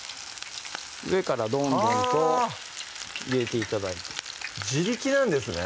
上からどんどんと入れて頂いて自力なんですね